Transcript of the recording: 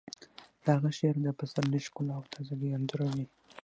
د هغه شعر د پسرلي ښکلا او تازه ګي انځوروي